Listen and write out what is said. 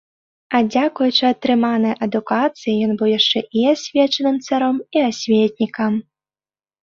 А дзякуючы атрыманай адукацыі, ён быў яшчэ і асвечаным царом і асветнікам.